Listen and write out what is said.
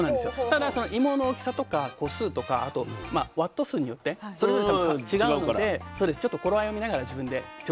ただいもの大きさとか個数とかあとワット数によってそれぞれ違うので頃合いを見ながら自分で調節して。